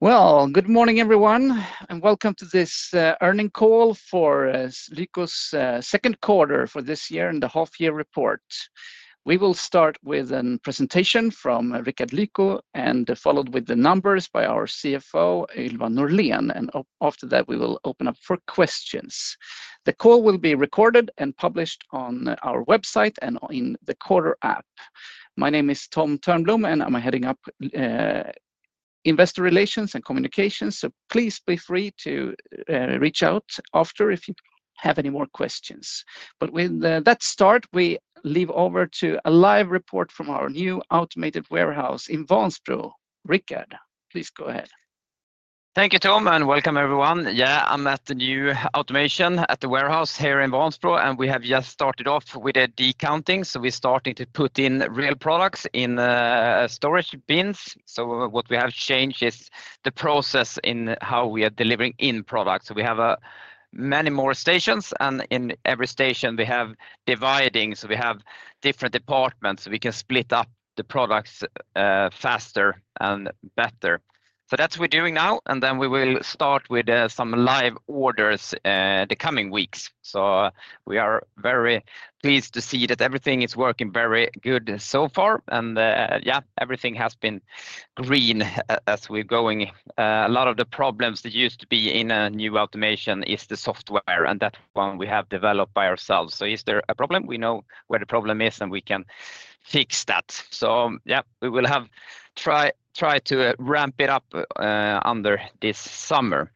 Good morning, everyone, and welcome to this earnings call for Lyko's second quarter for this year and the half-year report. We will start with a presentation from Rickard Lyko, followed with the numbers by our CFO, Ylva Norlén. After that, we will open up for questions. The call will be recorded and published on our website and in the Quarter app. My name is Tom Thörnblom, and I'm heading up Investor Relations and Communications. Please be free to reach out after if you have any more questions. With that start, we leave over to a live report from our new automated warehouse in Vansbro. Rickard, please go ahead. Thank you, Tom, and welcome, everyone. Yeah, I'm at the new automation at the warehouse here in Vansbro, and we have just started off with the decounting. We're starting to put in real products in storage bins. What we have changed is the process in how we are delivering in products. We have many more stations, and in every station, we have dividing. We have different departments, so we can split up the products faster and better. That's what we're doing now. We will start with some live orders the coming weeks. We are very pleased to see that everything is working very good so far. Everything has been green as we're going. A lot of the problems that used to be in a new automation is the software, and that one we have developed by ourselves. If there is a problem, we know where the problem is, and we can fix that. We will try to ramp it up under this summer.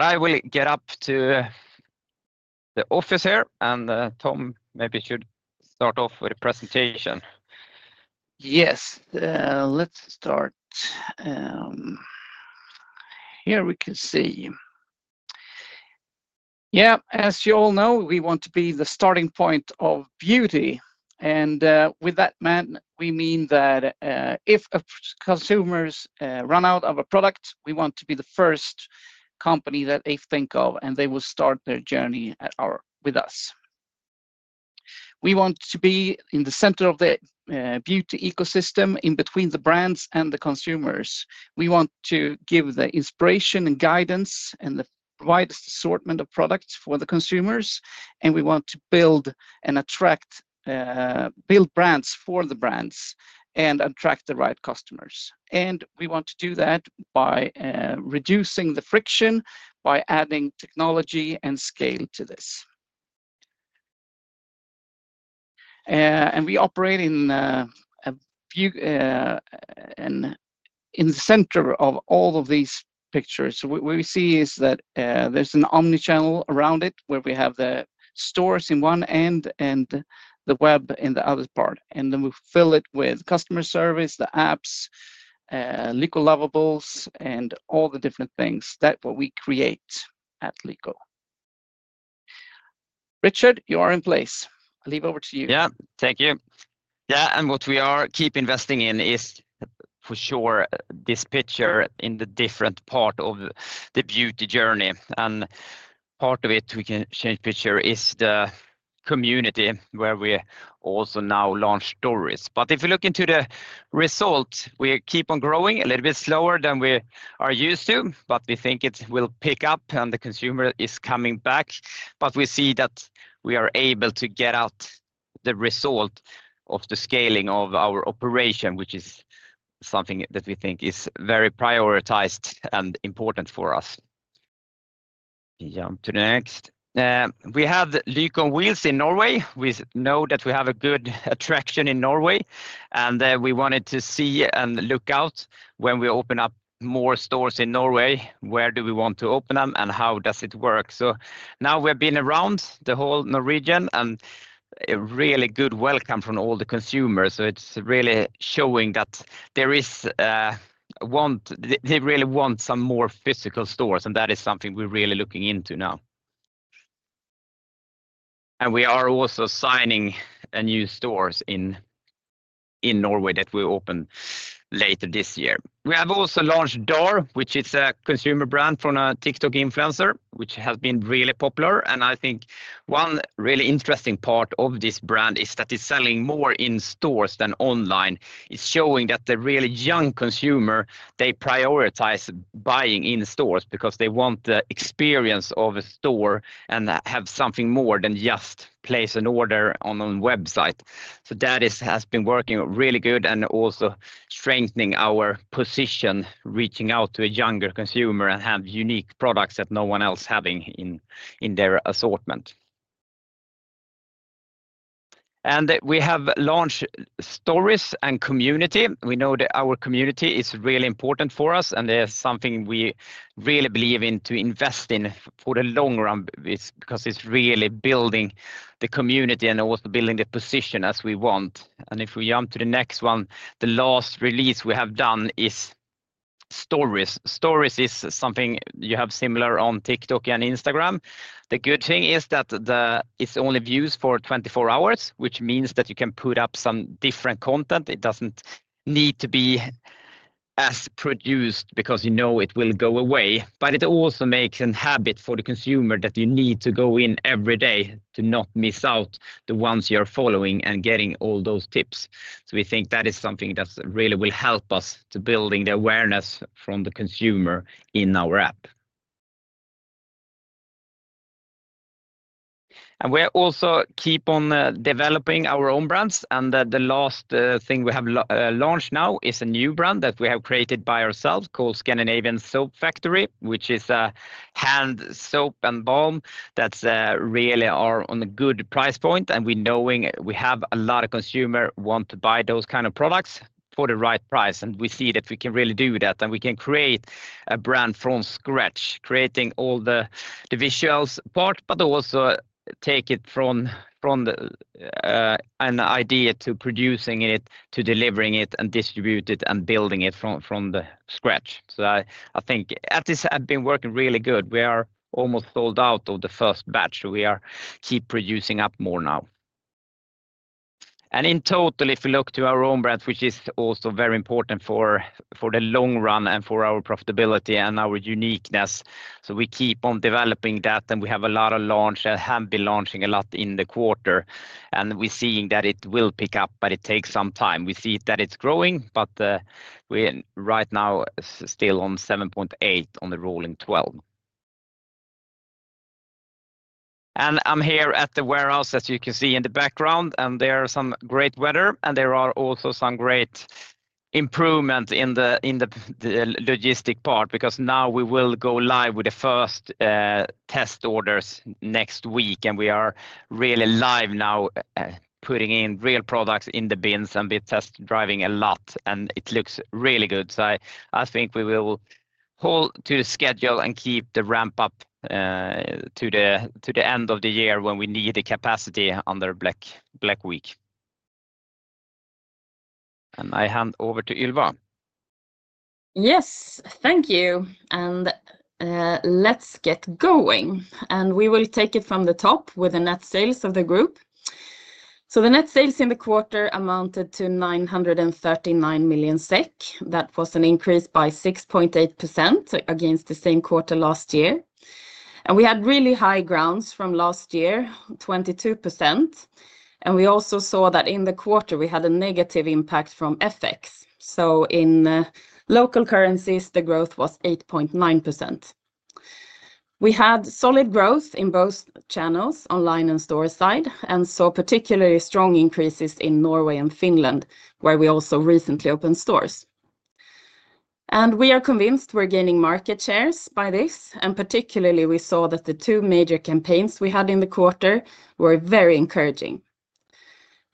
I will get up to the office here, and Tom maybe should start off with a presentation. Yes, let's start. Here we can see. Yeah, as you all know, we want to be the starting point of beauty. With that, we mean that if consumers run out of a product, we want to be the first company that they think of, and they will start their journey with us. We want to be in the center of the beauty ecosystem in between the brands and the consumers. We want to give the inspiration and guidance and the widest assortment of products for the consumers. We want to build and attract brands for the brands and attract the right customers. We want to do that by reducing the friction, by adding technology and scale to this. We operate in the center of all of these pictures. What we see is that there's an omnichannel around it where we have the stores in one end and the web in the other part. We fill it with customer service, the apps, Lyko lovables, and all the different things that we create at Lyko. Rickard, you are in place. I'll leave it over to you. Yeah, thank you. What we keep investing in is for sure this picture in the different part of the beauty journey. Part of it, we can change the picture, is the community where we also now launch Stories. If we look into the result, we keep on growing a little bit slower than we are used to, but we think it will pick up and the consumer is coming back. We see that we are able to get out the result of the scaling of our operation, which is something that we think is very prioritized and important for us. We jump to the next. We have Lyko on Wheels in Norway. We know that we have a good attraction in Norway. We wanted to see and look out when we open up more stores in Norway. Where do we want to open them and how does it work? Now we've been around the whole Norwegian and a really good welcome from all the consumers. It's really showing that they really want some more physical stores. That is something we're really looking into now. We are also signing new stores in Norway that we'll open later this year. We have also launched D'or, which is a consumer brand from a TikTok influencer, which has been really popular. I think one really interesting part of this brand is that it's selling more in stores than online. It's showing that the really young consumers, they prioritize buying in stores because they want the experience of a store and have something more than just place an order on a website. That has been working really good and also strengthening our position, reaching out to a younger consumer and have unique products that no one else has in their assortment. We have launched Stories and community. We know that our community is really important for us, and it's something we really believe in to invest in for the long run because it's really building the community and also building the position as we want. If we jump to the next one, the last release we have done is Stories. Stories is something you have similar on TikTok and Instagram. The good thing is that it's only views for 24 hours, which means that you can put up some different content. It doesn't need to be as produced because you know it will go away. It also makes a habit for the consumer that you need to go in every day to not miss out the ones you are following and getting all those tips. We think that is something that really will help us to building the awareness from the consumer in our app. We also keep on developing our own brands. The last thing we have launched now is a new brand that we have created by ourselves called Scandinavian Soap Factory, which is a hand soap and balm that's really on a good price point. We know we have a lot of consumers who want to buy those kinds of products for the right price. We see that we can really do that. We can create a brand from scratch, creating all the visual part, but also take it from an idea to producing it, to delivering it, and distribute it, and building it from scratch. I think this has been working really good. We are almost sold out of the first batch. We keep producing up more now. In total, if you look to our own brands, which is also very important for the long run and for our profitability and our uniqueness, we keep on developing that. We have a lot of launches. We have been launching a lot in the quarter. We're seeing that it will pick up, but it takes some time. We see that it's growing, but we're right now still on 7.8 on the rolling 12. I'm here at the warehouse, as you can see in the background. There is some great weather, and there are also some great improvements in the logistic part because now we will go live with the first test orders next week. We are really live now putting in real products in the bins, and we're test driving a lot. It looks really good. I think we will hold to the schedule and keep the ramp up to the end of the year when we need the capacity under Black Week. I hand over to Ylva. Yes, thank you. Let's get going. We will take it from the top with the net sales of the group. The net sales in the quarter amounted to 939 million SEK. That was an increase by 6.8% against the same quarter last year. We had really high grounds from last year, 22%. We also saw that in the quarter, we had a negative impact from FX. In local currencies, the growth was 8.9%. We had solid growth in both channels, online and store side, and saw particularly strong increases in Norway and Finland, where we also recently opened stores. We are convinced we're gaining market shares by this. Particularly, we saw that the two major campaigns we had in the quarter were very encouraging.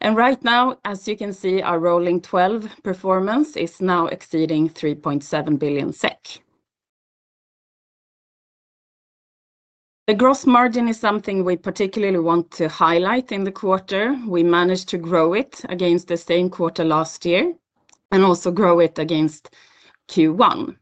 Right now, as you can see, our rolling 12 performance is now exceeding 3.7 billion SEK. The gross margin is something we particularly want to highlight in the quarter. We managed to grow it against the same quarter last year and also grow it against Q1.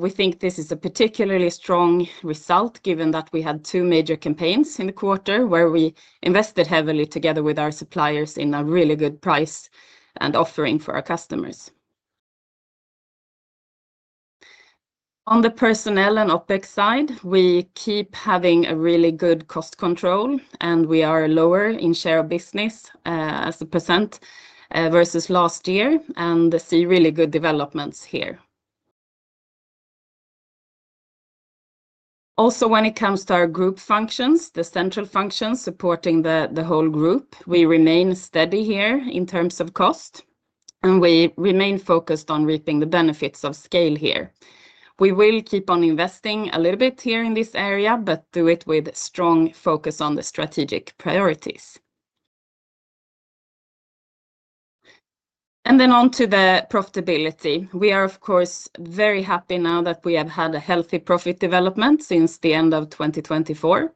We think this is a particularly strong result given that we had two major campaigns in the quarter where we invested heavily together with our suppliers in a really good price and offering for our customers. On the personnel and OpEx side, we keep having a really good cost control, and we are lower in share of business as a percent versus last year and see really good developments here. Also, when it comes to our group functions, the central functions supporting the whole group, we remain steady here in terms of cost, and we remain focused on reaping the benefits of scale here. We will keep on investing a little bit here in this area, but do it with a strong focus on the strategic priorities. On to the profitability. We are, of course, very happy now that we have had a healthy profit development since the end of 2024.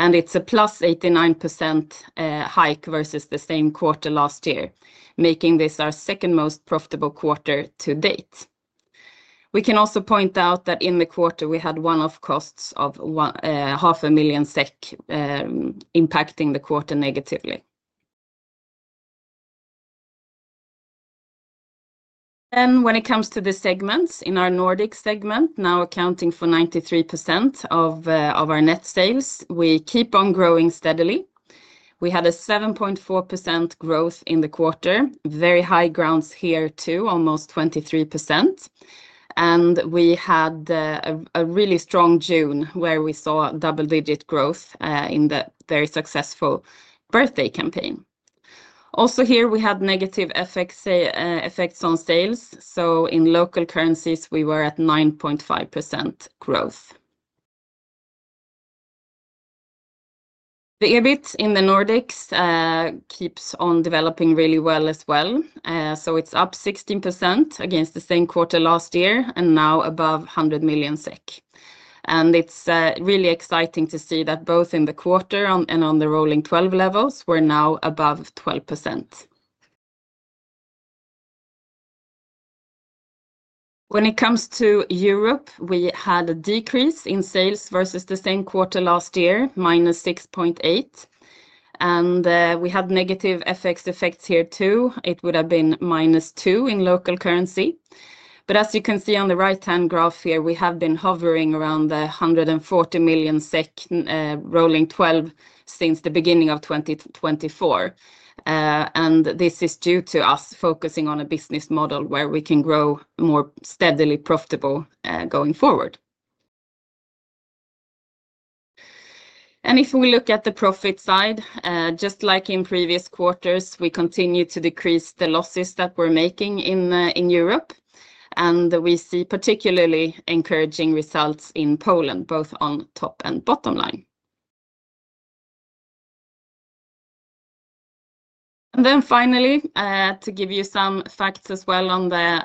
It's a +89% hike versus the same quarter last year, making this our second most profitable quarter to date. We can also point out that in the quarter, we had one-off costs of 0.5 million SEK impacting the quarter negatively. When it comes to the segments, in our Nordic segment, now accounting for 93% of our net sales, we keep on growing steadily. We had a 7.4% growth in the quarter, very high grounds here too, almost 23%. We had a really strong June where we saw double-digit growth in the very successful birthday campaign. Here, we had negative effects on sales. In local currencies, we were at 9.5% growth. The EBIT in the Nordics keeps on developing really well as well. It's up 16% against the same quarter last year and now above 100 million SEK. It's really exciting to see that both in the quarter and on the rolling 12 levels, we're now above 12%. When it comes to Europe, we had a decrease in sales versus the same quarter last year, -6.8%. We had negative effects here too. It would have been -2% in local currencies. As you can see on the right-hand graph here, we have been hovering around 140 million SEK rolling 12 since the beginning of 2024. This is due to us focusing on a business model where we can grow more steadily profitable going forward. If we look at the profit side, just like in previous quarters, we continue to decrease the losses that we're making in Europe. We see particularly encouraging results in Poland, both on top and bottom line. Finally, to give you some facts as well on the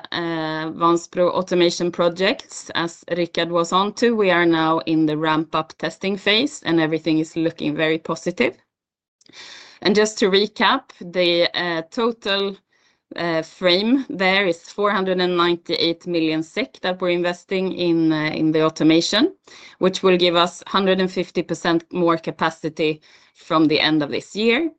Vansbro automation projects, as Rickard Lyko was on to, we are now in the ramp-up testing phase, and everything is looking very positive. Just to recap, the total frame there is 498 million SEK that we're investing in the automation, which will give us 150% more capacity from the end of this year.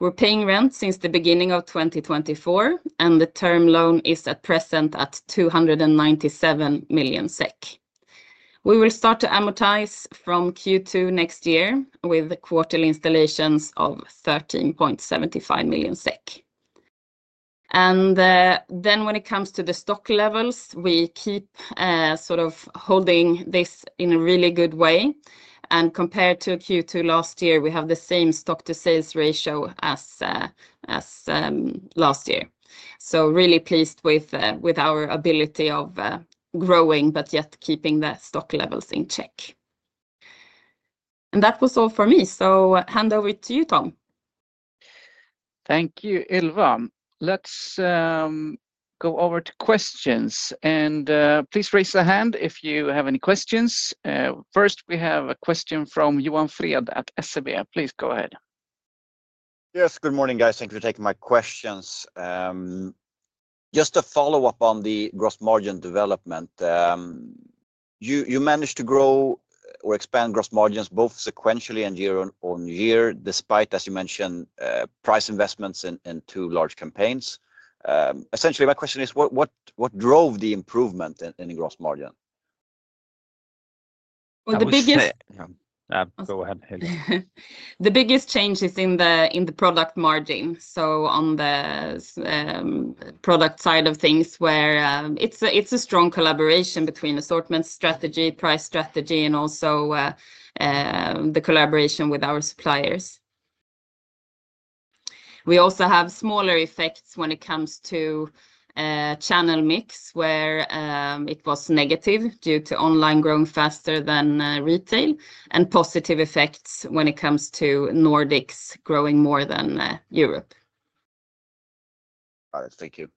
We're paying rent since the beginning of 2024, and the term loan is at present at 297 million SEK. We will start to amortize from Q2 next year with quarterly installations of SEK 13.75 million. When it comes to the stock levels, we keep sort of holding this in a really good way. Compared to Q2 last year, we have the same stock-to-sales ratio as last year. Really pleased with our ability of growing, but yet keeping the stock levels in check. That was all for me. I hand over to you, Tom. Thank you, Ylva. Let's go over to questions. Please raise your hand if you have any questions. First, we have a question from Johan Fred at SEB. Please go ahead. Yes, good morning, guys. Thank you for taking my questions. Just a follow-up on the gross margin development. You managed to grow or expand gross margins both sequentially and year on year despite, as you mentioned, price investments in two large campaigns. Essentially, my question is, what drove the improvement in gross margin? Lyko on Wheels campaign. Go ahead, Helen. The biggest change is in the product margin. On the product side of things, where it's a strong collaboration between assortment strategy, price strategy, and also the collaboration with our suppliers, we also have smaller effects when it comes to channel mix, where it was negative due to online growing faster than retail, and positive effects when it comes to Nordics growing more than Europe. Got it. Thank you.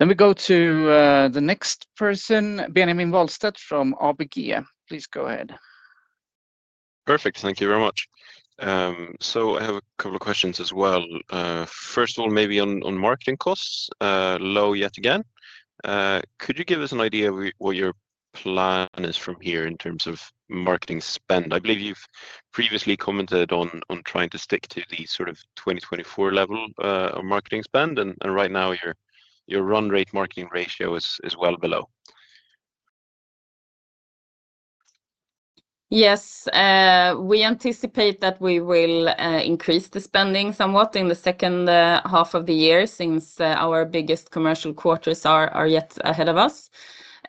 Let me go to the next person, Benjamin Wahlstedt from ABG. Please go ahead. Perfect. Thank you very much. I have a couple of questions as well. First of all, maybe on marketing costs, low yet again. Could you give us an idea of what your plan is from here in terms of marketing spend? I believe you've previously commented on trying to stick to the sort of 2024 level of marketing spend. Right now, your run rate marketing ratio is well below. Yes, we anticipate that we will increase the spending somewhat in the second half of the year since our biggest commercial quarters are yet ahead of us.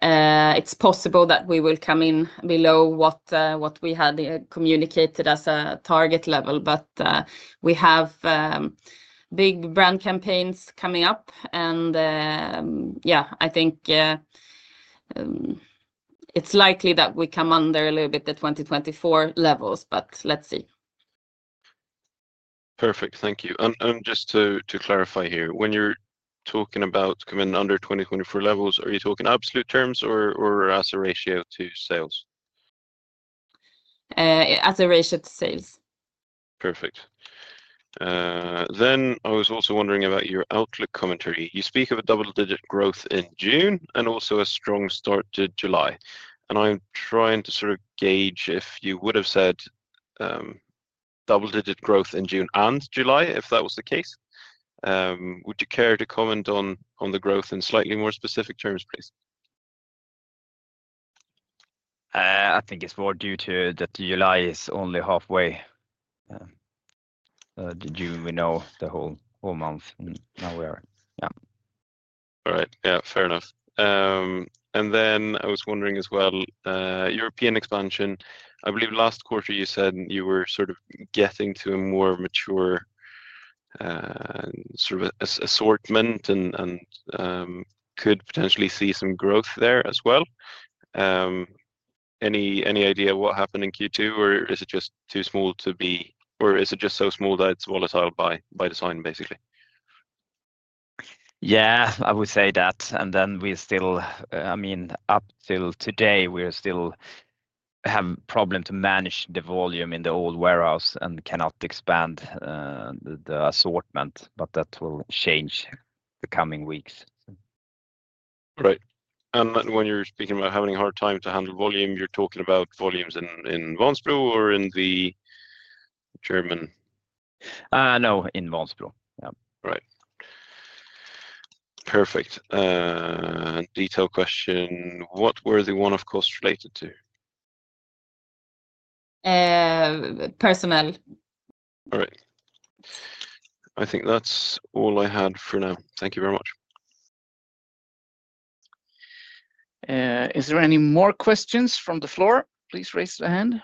It's possible that we will come in below what we had communicated as a target level, but we have big brand campaigns coming up. I think it's likely that we come under a little bit the 2024 levels, but let's see. Perfect. Thank you. Just to clarify here, when you're talking about coming under 2024 levels, are you talking absolute terms or as a ratio to sales? As a ratio to sales. Perfect. I was also wondering about your Outlook commentary. You speak of double-digit growth in June and also a strong start to July. I'm trying to sort of gauge if you would have said double-digit growth in June and July if that was the case. Would you care to comment on the growth in slightly more specific terms, please? I think it's more due to that July is only halfway. In June, we know the whole month, and now we are in. All right. Fair enough. I was wondering as well, European expansion. I believe last quarter you said you were sort of getting to a more mature sort of assortment and could potentially see some growth there as well. Any idea what happened in Q2, or is it just too small to be, or is it just so small that it's volatile by design, basically? I would say that. We're still, I mean, up till today, we still have a problem to manage the volume in the old warehouse and cannot expand the assortment, but that will change the coming weeks. Right. When you're speaking about having a hard time to handle volume, you're talking about volumes in Vansbro or in the German? No, in Vansbro. All right. Perfect. A detailed question, what were the one-off costs related to? Personnel. All right. I think that's all I had for now. Thank you very much. Are there any more questions from the floor? Please raise your hand.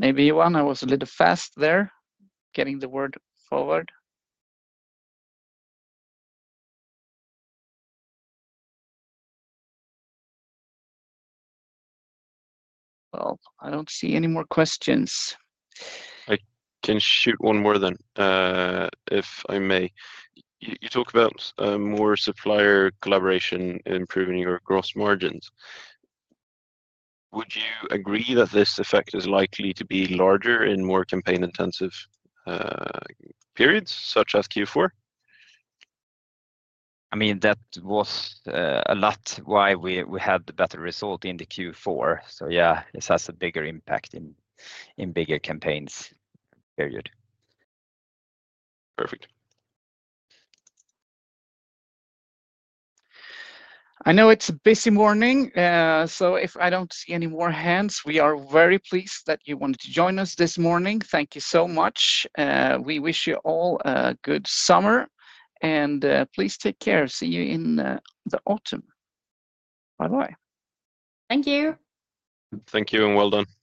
Maybe one. I was a little fast there getting the word forward. I don't see any more questions. I can shoot one more, if I may. You talk about more supplier collaboration improving your gross margins. Would you agree that this effect is likely to be larger in more campaign-intensive periods, such as Q4? I mean, that was a lot why we had the better result in Q4. It has a bigger impact in bigger campaigns, period. I know it's a busy morning. If I don't see any more hands, we are very pleased that you wanted to join us this morning. Thank you so much. We wish you all a good summer. Please take care. See you in the autumn. Bye-bye. Thank you. Thank you and well done.